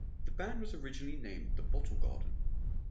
The band was originally named "The Bottlegarden".